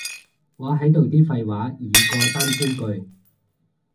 我喺度啲廢話已過三千句